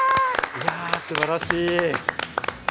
いや、素晴らしい。